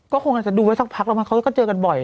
ก็คงจะดูไว้สักพักแล้วมันก็เจอกันบ่อย